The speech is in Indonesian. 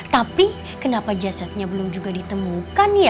tapi kenapa jasadnya belum juga ditemukan